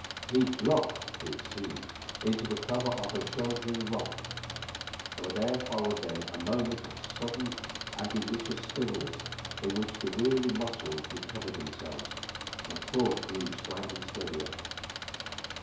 He dropped, it seemed, into the cover of a sheltering rock, for there followed then a moment of sudden and delicious stillness in which the weary muscles recovered themselves and thought grew slightly steadier.